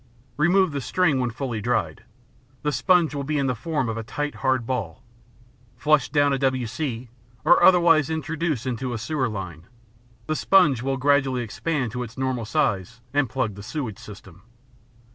Remove the string when fully dried. The sponge will be in the form of a tight hard ball. Flush down a W. C. or otherwise introduce into a sewer line. The sponge will gradually expand to its normal size and plug the sewage system.